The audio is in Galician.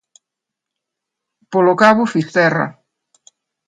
Polo cabo Fisterra.